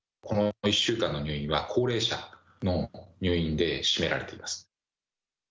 この１週間の入院は高齢者の入院で占められています。